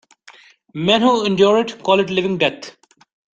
Men who endure it, call it living death.